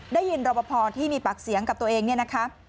ได้ยินรับประพอที่มีปากเสียงกับตัวเองเนี่ยนะคะ